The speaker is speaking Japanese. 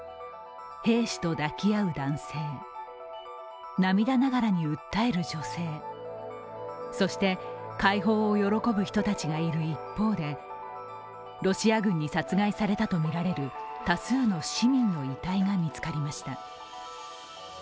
兵士と抱き合う男性、涙ながらに訴える女性、そして、解放を喜ぶ人たちがいる一方でロシア軍に殺害されたとみられる多数の市民の遺体が見つかりました。